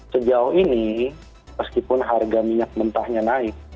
sejauh ini meskipun harga minyak mentahnya naik